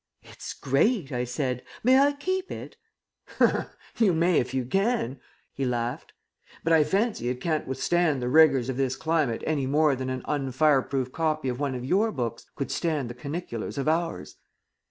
"It's great," I said. "May I keep it?" "You may if you can," he laughed. "But I fancy it can't withstand the rigors of this climate any more than an unfireproof copy of one of your books could stand the caniculars of ours."